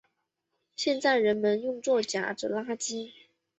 现在人们用作夹着垃圾。